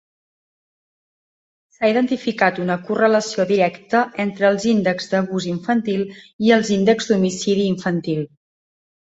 S'ha identificat una correlació directa entre els índexs d'abús infantil i els índexs d'homicidi infantil.